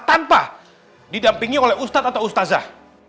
tanpa didampingi oleh ustadz atau ustazah